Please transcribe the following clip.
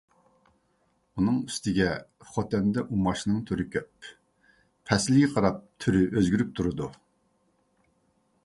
ئۇنىڭ ئۈستىگە خوتەندە ئۇماچنىڭ تۈرى كۆپ. پەسىلگە قاراپ تۈرى ئۆزگىرىپ تۇرىدۇ.